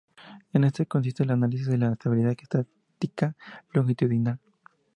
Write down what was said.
En esto consiste el análisis de la estabilidad estática longitudinal.